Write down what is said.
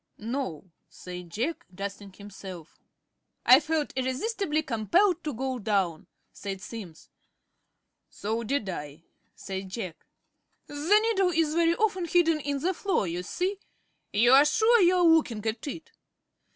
"No," said Jack, dusting himself. "I felt irresistibly compelled to go down," said Simms. "So did I," said Jack. "The needle is very often hidden in the floor, you see. You are sure you are looking at it?"